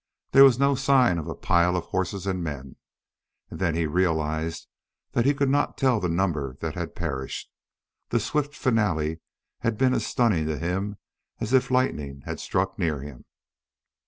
There was no sign of a pile of horses and men, and then he realized that he could not tell the number that had perished. The swift finale had been as stunning to him as if lightning had struck near him.